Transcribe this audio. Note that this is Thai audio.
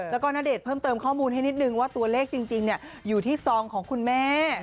แล้วก็ณเดชน์เพิ่มเติมข้อมูลให้นิดนึงว่าตัวเลขจริงอยู่ที่ซองของคุณแม่